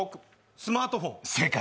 スマートフォン！